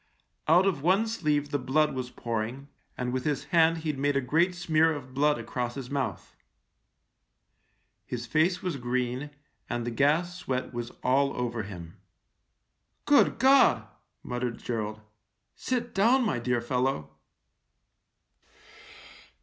Out of one sleeve the blood was pouring, and with his hand he'd made a great smear of blood across his mouth. His face was green, and the gas sweat was all over him. "Good God!" muttered Gerald. "Sit down, my dear fellow."